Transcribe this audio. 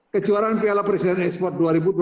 kejuaraan piala presiden e sport dua ribu dua puluh satu